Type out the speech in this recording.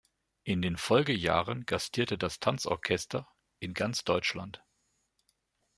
In den Folgejahren gastierte das Tanzorchester in ganz Deutschland.